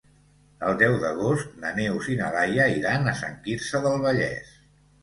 El deu d'agost na Neus i na Laia iran a Sant Quirze del Vallès.